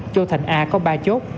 châu thành a có ba chốt